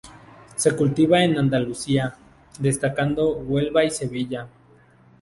Se cultiva en Andalucía, destacando Huelva y Sevilla.